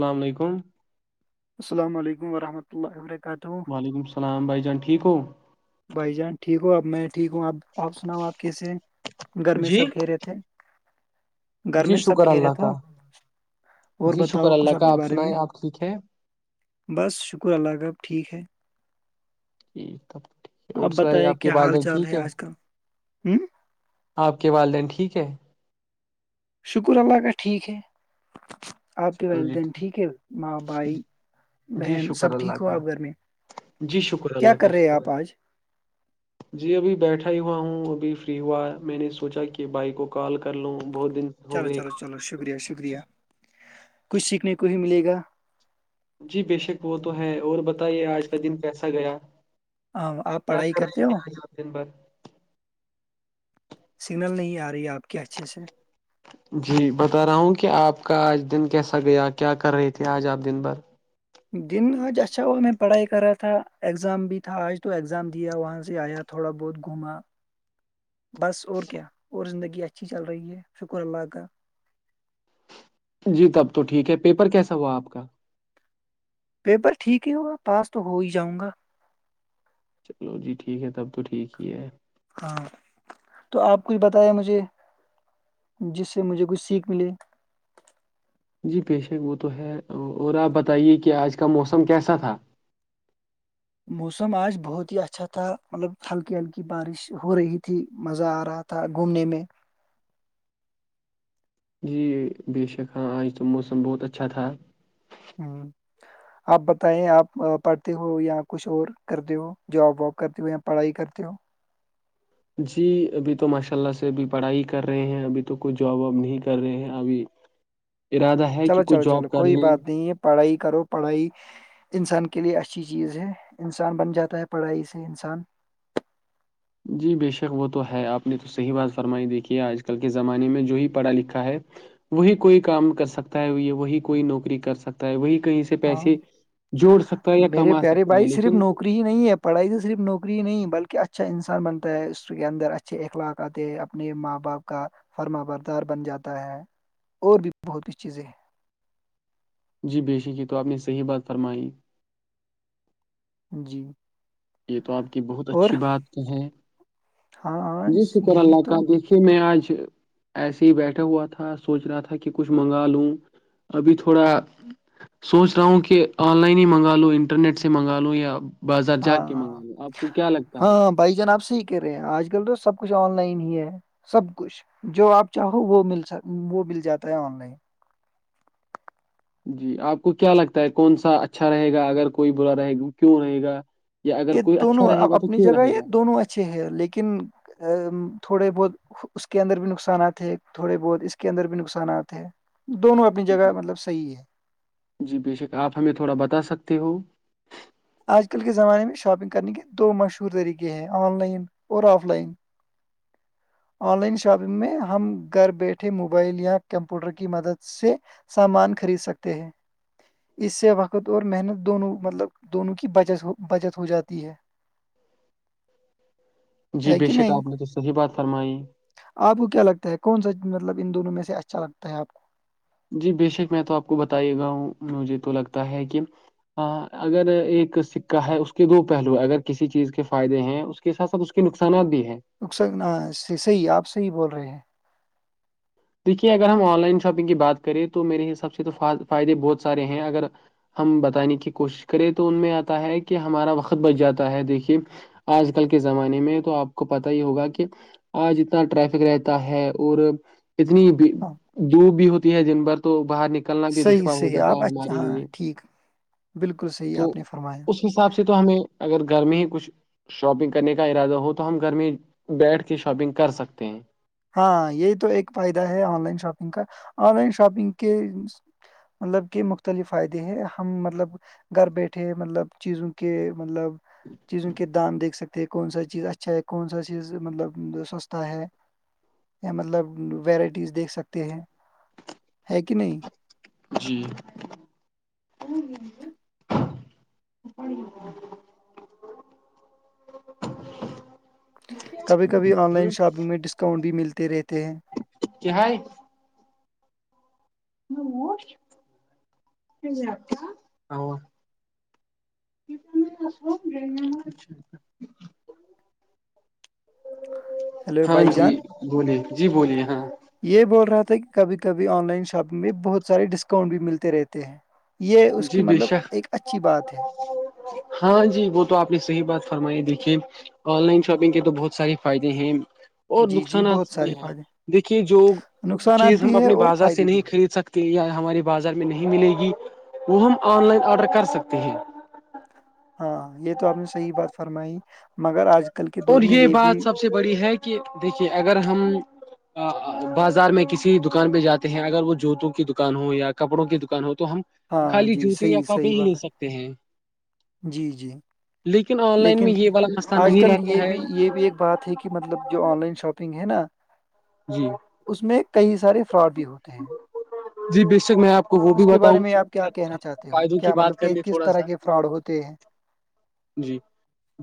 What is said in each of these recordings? السلام علیکم السلام علیکم ورحمۃہ اللہ وبرکاتہ وعلیکم السلام بھائی جان ٹھیک ہو بھائی جان ٹھیک ہوں اب میں ٹھیک ہوں اب آپ سناؤ آپ کیسے گھر میں جی سب کہہ رہے تھے گھر جی میں سب شکر کھیرے اللہ تو کا اور جی شکر بتاؤ اللہ کچھ کا اپنے آپ بارے میں سنائیں [unintelligible] آپ ٹھیک ہے بس شکر اللہ کاب ٹھیک ہے [unintelligible] ٹیک تبیک ہے اور سوائی بتائیں آپ کے کیا حال والدن چال ٹھیک ہے [unintelligible] آج کل ہوں آپ کے والدین ٹھیک ہے شکر اللہ کا ٹھیک ہے آپ کے چلو جی والدین ٹھیک ہے ماں بائی جی بہن شکر سب ٹھیک اللہ ہو کا آپ گھر میں جی شکر کیا اللہ کر کا رہے شکر آپ آج [inaudible] جی ابھی بیٹھا ہی ہوا ہوں ابھی فری ہوا میں نے سوچا کہ بھائی کو کال کر لوں بہت دن ہو چلو گئے چلو چلو شکریہ شکریہ کچھ سیکھنے کو ہی ملے گا جی بے شک وہ تو ہے اور بتائیے آج کا دن کیسا گیا آ، آپ کیا پڑھائی کر کرتے ہو دن بھر [unintelligible] سگنل نہیں آ رہی ہے آپ کے اچھے سے ہ [unintelligible] جی بتا رہا ہوں کہ آپ کا آج دن کیسا گیا کیا کر رہے تھے آج آپ دن بھر دن آج اچھا ہوا میں پڑھائی کر رہا تھا ایگزام بھی تھا آج تو ایگزام دیا وہاں سے آیا تھا تھوڑا بہت گھوما [inaudible] بس اور کیا اور زندگی اچھی چل رہی ہے شکر اللہ کا جی تب تو ٹھیک ہے پیپر کیسا ہوا آپ کا پیپر ٹھیک ہی ہوگا پاس تو ہو ہی جاؤں گا چلو جی ٹھیک ہے تب تو ٹھیک ہی ہے ہاں تو آپ کچھ بتیا مجھے [unintelligible] جس سے مجھے کچھ سیکھ ملے جی پشک وہ تو ہے اور آپ بتائیے کہ آج کا موسم کیسا تھا موسم آج بہت ہی اچھا تھا مطلب ہلکی ہلکی بارش ہو رہی تھی مزہ آ رہا تھا گھومنے میں جی بے شک ہاں آج تو موسم بہت اچھا تھا ہ آپ بتائیں آپ پڑھتے ہو یا کچھ اور کرتے ہو جاب واب کرتی ہوئے یا پڑھائی کرتے ہو [unintelligible] جی ابھی تو ماشاء اللہ سے ابھی پڑھائی کر رہے ہیں ابھی تو کئی جاب واب نہیں کر رہے ہیں ابھی [unintelligible] ارادہ [unintelligible] چلو چلو جاب چلو کر کوئی لیں بات نہیں ہے پڑھائی کرو پڑھائی انسان کے لیے اچھی چیز ہے انسان بن جاتا ہے پڑھائی سے انسان جی بے شک وہ تو ہے آپ نے تو صحیح بات فرمائی دیکھی ہے آج کل کے زمانے میں جو ہی پڑھا لکھا ہے وہی کوئی کام کر سکتا ہے وہی کوئی نوکری کر سکتا ہے وہی کہیں سے ہاں پیسے جوڑ سکتا ہے یا میرے کما پیارے سکتا ہے بھائی صرف لیکن نوکری ہی نہیں ہےڑھائی تو صرف نوکری ہی نہیں بلکہ اچھا انسان بنتا ہے اس کے اندر اچھا اچھے اخلاقات اپنے ماں باپ کا فرما بردار بن جاتا ہے [unintelligible] اور بھی بہت کچ چیزیں ہیں جی بے شک یہ تو آپ نے صحیح بات فرمائی جی یہ تو آپ کی بہت اور اچھی بات ہے ہاں آج جی شکر یہی اللہ تو کا دیکھیے میں آج ایسے ہی بیٹھا ہوا تھا سوچ رہا تھا کہ کچھ منگا لوں ابھی تھوڑا سوچ رہا ہوں کہ آن لائن ہی منگا لوں انٹرنیٹ سے منگا لوں یا بازار ہاں جاگ کے ہاں منگا لو آپ کو کیا لگتا ہے [unintelligible] ہاں بھائی جان آپ صحی کہہ رہے ہیں آج کل تو سب کچھ آن لائن ہی ہے سب کچھ جو آپ چاہو وہ ملک وہ مل جاتا ہے آن لائن [unintelligible] جی آپ کو کیا لگتا ہے کون سا اچھا رہے گا اگر کوئی برا رہے گا کیوں رہے گا یا اگر یہ کوئی دونوں اچھا رہے ا گا تو اپنی کیوں جگہ رہے یہ گا دونوں اچھے ہیں لیکن تھوڑے بہت اس کے اندر بھی نقصانات ہے تھوڑے بہت اس کے اندر بھی نقصانات ہیں دونوں اپنی جگہ جی مطلب صحی ہے جی بے شک آپ ہمیں تھوڑا بتا سکتے ہو آج کل کے زمانے میں شاپنگ کرنے کے دو مشہور طریقے ہیں آن لائن اور offline online shopping میں ہم گھر بیٹھے موبائل یا کمپیوٹر کی مدد سے سامان خرید سکتے ہیں اس سے وقت اور محنت دونوں مطلب دونوں کی بچ بچت ہو جاتی ہے [inaudible] جی ہے بے کہ شک نہیں آپ نے تو صحیح بات فرمائی آپ کو کیا لگتا ہے کون سا مطلب ان دونوں میں سے اچھا لگتا ہے آپ کو جی بےشک میں تو آپ کو بتے گا ہوں مجھے تو لگتا ہے کہ ہاں اگر ایک سکہ ہے اس کے دو پہلو اگر کسی چیز کے فائدے ہیں کے ساتھ ساتھ اس کے نقصانات بھی ہیں اک صحیح آپ صحیح بول رہے ہیں دیکھیے اگر ہم آن لائن شاپنگ کی بات کریں تو میرے حساب سے تو فائدے بہت سارے ہیں اگر ہم بتانے کی کوشش کریں تو ان میں آتا ہے کہ ہمارا وقت بچ جاتا ہے دیکھیے آج کل کے زمانے میں تو آپ کو پت ہی ہوگا کہ آج اتنا ٹریفک رہتا ہے اور اتنی ہاں دوپ بھی ہوتی ہے دن بھر تو باہر نک نکلنا بھی صحیح دشوار ہو صحیح جاتا آپ ہے اچھا ہمارے ہاں لیے ٹھیک بالکل [inaudible] صحیح تو آپ نے فرمایا اس اس حساب سے تو ہمیں اگر گھر میں ہی کچھ شاپنگ کرنے کا ارادہ ہو تو ہم گھر میں بیٹھ کے شاپنگ کر سکتے ہیں ہاں یہ تو ایک فائدہ ہے آن لائن شاپنگ کا آن لائن شاپنگ کے مطلب کہ مختلف فائدے ہیں ہم مطلب گھر بیٹھے مطلب چیزوں کے مطلب چیزوں کے دان دیکھ سکتے کہ کون سا چیز اچھا ہے کون سا چیز مطلب سستا ہے یا مطلب ویرائٹیز دیکھ سکتے ہیں ہے کہ نہیں جی [inaudible] [unintelligible] کبھی کبھی آن لائن شاپنگ میں ڈسکاؤنٹ بھی ملتے رہتے ہیں کیا حائی [unintelligible] [unintelligible] ہیلو ہاں بھائی جی جان بولیے جی بولیے ہاں یہ بول رہا تھا کہ کبھی کبھی آن لائن شاپنگ میں بہت سارے ڈسکاؤنٹ بھی ملتے رہتے ہیں یہ اس کی جی بے مطلب شک ایک اچھی بات ہے ہاں جی وہ تو آپ نے صحیح بات فرمائی دیکھیے آن لائن شاپنگ کے تو بہت سارے فائدے ہیں اور جی جی بہت نقصانات بھی سارے ہے فائدے دیکھیے جو نقصانات چیز ہم بھی ہے اپنے اور بازار سے فائدے نہیں بھی ہیں خرید سکتے کہ یا ہمارے بازار میں نہیں ملے گی وہ ہم آن لائن آڈر کر سکتے ہیں ہاں یہ تو آپ نے صحیح بات فرمائی مگر آج کل کے اور دور میں یہ بھی بات سب سے بڑی ہے کہ دیکھیے اگر ہم بازار میں کسی دکان پہ جاتے ہیں اگر وہ جوتوں کی دکان ہو یا کپڑوں کی دکان ہو تو ہم ہاں خالی جی جوتے یا صحیح کپ ڑے صحیح ہی لے بات سکتے ہیں ہے جی جی لیکن آن لائن میں لیکن یہ والا مسئلہ آج نہیں کل رہتا یہ ہے بھی یہ بھی ایک بات ہے کہ مطلب جو آن لائن شاپنگ ہے نا [unintelligible] اس میں کئی سارے فراڈ بھی ہوتے ہیں جی بے شک میں آپ کو وہ بھی اس کے بتاؤں بارے میں آپ کیا گا کہنا چاہتے ہو فائدوں کی کیا بات مطلب کر کہ لے کس تھوڑا طرح سا کے فراڈ ہوتے ہیں جی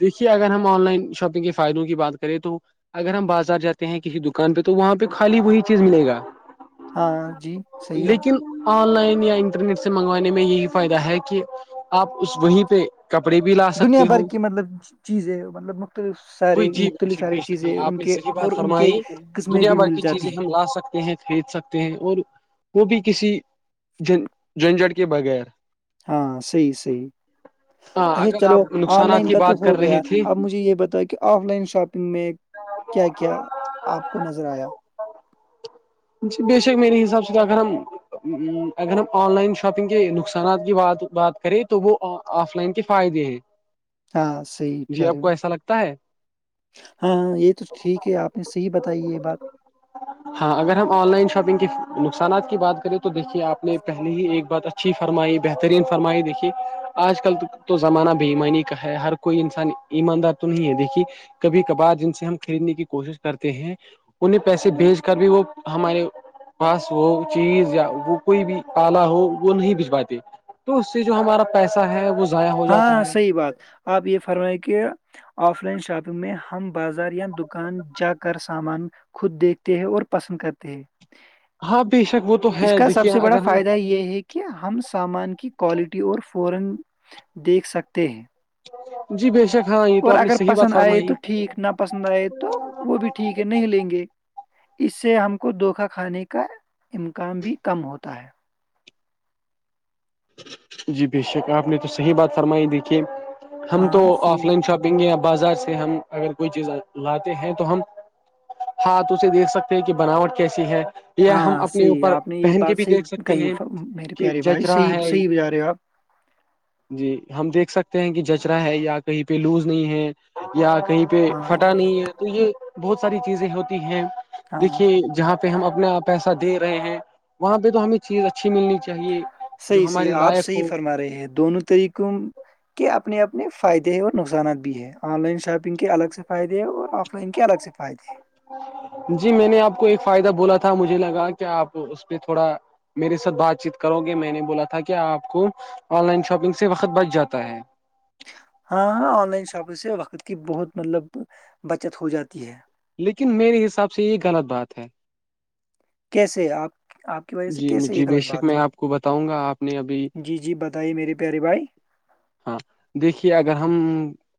دیکھیے اگر ہم آن لائن شاپنگ کے فائدوں کی بات کریں تو اگر ہم بازار جاتے ہیں کسی دکان پہ تو وہاں پہ خالی وہی چیز ملے گا ہاں جی صحیح لیکن آن لائن یا انٹرنیٹ سے منگوانے میں یہی فائدہ ہے کہ آپ اس وہی پہ کپڑے بھی لا دنیا سکتے بھر ہو کی مطلب چیزیں مطلب مختلف وہی سارے جی بے مختلف شک ساری بے شک چیزیں ہاں آپ ان نے کے صحیح بات اور ان کے فرمائی قسمیں دنیا بھی بھر مل کی جاتی چیزیں ہم ہے لا سکتے ہیں کھرید سکتے ہیں اور وہ بھی کسی جن جھنجٹ کے بغیر ہاں صحیح صحیح ہاں اچھا اگر چلو آپ آن نقصانات لائن کی کا تو بات ہو کر رہے گیا تھے اب مجھے یہ بتا کہ آف لائن شاپنگ میں کیا کیا آپ کو نظر آیا جی بے شک میرے حساب سے اگر ہم اگر ہم آن لائن شاپنگ کے نقصانات کی بات کریں تو وہ آف لائن کے فائدے ہیں ہاں صحیح جی آپ بچارے کو ایسا لگتا ہے ہاں ہاں یہ تو ٹھیک ہے آپ نے صحیح بتائی یہ بات ہاں ہاں اگر ہم آن لائن شاپنگ کے نقصانات کی بات کریں تو دیکھیے آپ نے پہلے ہی ایک بات اچھی فرمائی بہترین فرمائی دیکھیے آج کل تو زمانہ بےئیمانی کا ہے ہر کوئی انسان ایماندار تو نہیں ہے دیکھیے کبھی کبھار جن سے ہم خریدنے کی کوشش کرتے ہیں انہیں پیسے بھیج کر بھی وہ ہمارے پاس وہ چیز یا وہ کوئی بھی پالا ہو وہ نہیں بھجواتے تو اس سے جو ہمارا پیسہ ہے وہ ضائع ہو جاتا ہے [unintelligible] آپ یہ فرمائیں کہ آف لائن شاپنگ میں ہم بازار یا دکان جا کر سامان خود دیکھتے ہیں اور پسند کرتے ہیں ہاں بے شک وہ تو اس ہے کا سب دیکھیے سے بڑا اگر ہم فائدہ یہ ہے کہ کہ ہم سامان کی کو لٹی اور فورا دیکھ سکتے ہیں جی بے شک ہاں یہ تو اور آپ نے اگر صحیح بات پسند آئے فرمائی تو ٹھیک نا پسند آئے تو وہ بھی ٹھیک ہے نہیں لیں گے اس سے ہم کو دھوکا کھانے کا امکان بھی کم ہوتا ہے جی بے شک آپ نے تو صحیح بات فرمائی دیکھیے ہم تو ہاں آف صحیح لائن شاپ گے یا بازار سے ہم اگر کوئی چیز لاتے ہیں تو ہم ہاں توے دیکھ سکتے ہیں کہ بناوٹ کیسی ہے یہ ہم ہاں اپنے صحیح اوپر آپ نے یہ پہن کے بات بھی صحیح دیکھ سکتے کہی ہیں ف- میرے کہ پیارے بھائی جچرا صحیح ہے [inaudible] صحیح بجا رہے ہو آپ جی ہم دیکھ سکتے ہیں کہ جچرا ہے یا کہیں پہ لوز نہیں ہے یا کہیں پہ ہاں پھٹا نہیں ہے تو یہ بہت ساری چیزیں ہوتی ہیں ہاں دیکھیے جہاں پہ پہ ہم اپنا پیسہ دے رہے ہیں وہاں پہ تو ہمیں چیز اچھی ملنی چاہیے جو حیحی ہمارے آپ لائق صحیح ہو فرما رہے ہیں دونوں طریقے کے اپنے اپنے فائدے ہیں اور نقصانات بھی ہیں آن لائن شاپنگ شپنگ کے الگ سے فائدے اور آف لائن کے الگ سے فائدے جی میں نے آپ کو ایک فائدہ بولا تھا مجھے لگا کیا آپ اس پہ تھوڑا میرے ساتھ بات چیت کرو گے میں نے بولا تھا کیا آپ کو آن لائن شاپنگ سے وقت بچ جاتا ہے ہاں ہاں آن لائن شاپنگ سے وقت کی بہت مطلب بچت ہو جاتی ہے لیکن میرے حساب سے یہ غلط بات ہے کیسے آپ آپ کی وجہ سے جی کیسے جی یہ غلط بےشک بات میں آپ کو بتاؤں گا آپ نے ابھی ہے جی جی بتائیے میرے پیارے بھائی ہاں دیکھیے اگر ہم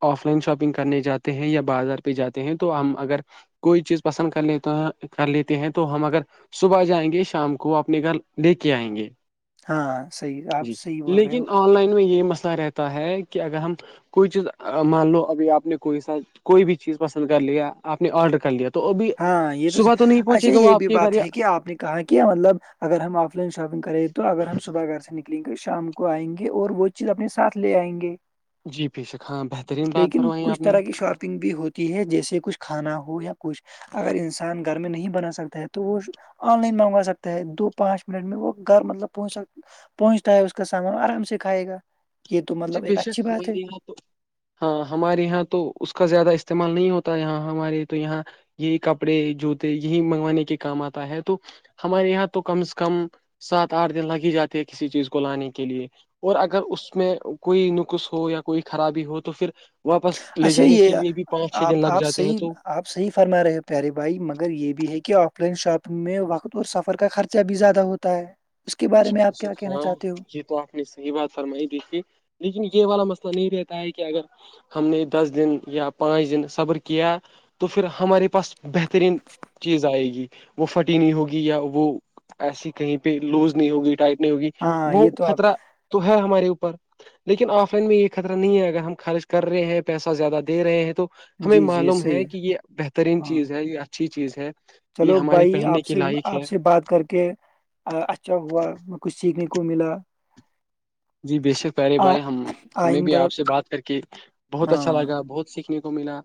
آف لائن شاپنگ کرنے جاتے ہیں یا بازار پہ جاتے ہیں تو ہم اگر کوئی چیز پسند کر لیتا ہے کر لیتے ہیں تو ہم اگر صبح جائیں گے شام کو کو اپنے گھر لے کے آئیں گے ہاں صحیح آپ جی صحیح بول رہے لیکن ہو آن لائن میں یہ مسئلہ رہتا ہے کہ اگر ہم کوئی چیز مان لو ابھی آپ نے کوئی ساتھ کوئی بھی چیز پسند کر لیا آپ نے آرڈر کر لیا تھا ہاں یہ تو اچھا یہ آپ بھی کے گھر بات یا ہے کہ آپ نے کہا کیا مطلب اگر ہم آف لائن شاپگ کریں تو اگر ہم صبح گھر سے نکل نکل کر شام کو آئیں گے اور وہ چیز اپنے ساتھ لے آئیں گے جی بے شک ہاں بہترین بات لیکن فرمائی کچھ آپ نے طرح کی شاپنگ بھی ہوتی کی ہے جیسے کچھ کھانا ہو یا کچھ اگر انسان گھر میں نہیں بنا سکتا ہے تو وہ آن لائن منگوا سکتا ہے دو پانچ منٹ میں وہ گھر مطلب پہنچ سک پہنچتا ہے اس کا سامان آرام سے کھائے گا یہ تو جی مطلب بے ایک اچھی شک بات ہے ہمارے یہاں تو ہاں ہمارے یہاں تو اس کا زیادہ استعمال نہیں ہوتا یہاں ہمارے تو یہاں یہی کپڑے جوتے یہی منگوانے کے کام آتا ہے تو ہمارے یہاں تو کم سے کم سات آٹھ دن لگ ہی جاتے ہیں کسی چیز کو لانے کے لیے اور اگر اس میں کوئی نکس ہو یا کوئی خرابی ہو تو پھر واپس لے اچھا جانے کے یہ لیے بھی پانچ چھ آپ دن لگ آپ جاتے ہیں صحیح تو آپ صحیح فرما رہے ہو پیارے بھائی مگر یہ بھی ہے کہ آف لائن شاپنگ میں وقت اور سفر کا خرچہ بھی زیادہ ہوتا ت [inaudible] جس ہ ج تھا [unintelligible] صحیح بات فرمائی دیکھیے لیکن یہ والا مسئلہ نہیں رہتا ہے کہ اگر ہم نے دس دن یا پانچ دن صبر کیا تو پھر ہمارے پاس بہترین چیز آئے گی وہ فھٹی نہیں ہوگی یا وہ ایسی کہیں پہ لوز نہیں ہوگی ٹائٹ نہیں ہوگی ہاں وہ یہ تو آپ خطرہ تو ہے ہمارے اوپر لیکن آف لائن میں یہ خطرہ نہیں ہے اگر ہم خارچ کر رہے ہیں پیسہ زیادہ دے رہے ہیں تو ہمیں جی جی معلوم ہے صحیح کہ یہ بہترین ہاں چیز ہے یہ اچھی چیز ہے یہ چلو ہماری بھائی پہننے آپ کے سے لائق ہے آپ سے بات کر کےچھ چب ہوا میں کچھ سیکھنے کو ملا جی بے شک پہرے آ- بھائی ہم ہمیں بھی آئندہ آپ سے بات کر کے بہت اچھا ہاں لگا بہت سیکھنے کو ملا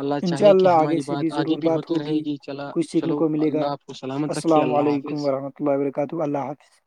اللہ انشاء چاہے کہ آگے ہماری سے بات آگے ضرور بھی بات ہوتی رہے ہوگی گی چلا کچھ سیکھنے چلو کو ملے اللہ آپ سلامت رکھیے اللہ حافظ لہ وبرکاتہ اللہ حافظ